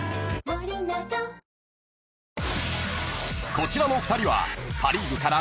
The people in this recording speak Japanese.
［こちらの２人は］